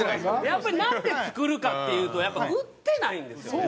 やっぱりなんで作るかっていうとやっぱり売ってないんですよ！